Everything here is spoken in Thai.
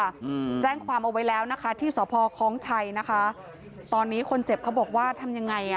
อืมแจ้งความเอาไว้แล้วนะคะที่สพคล้องชัยนะคะตอนนี้คนเจ็บเขาบอกว่าทำยังไงอ่ะ